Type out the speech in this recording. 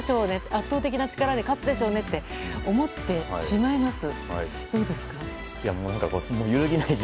圧倒的な力で勝つでしょうねと思ってしまいます。